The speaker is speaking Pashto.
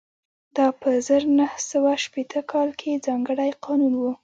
دا په زر نه سوه شپېته کال کې ځانګړی قانون و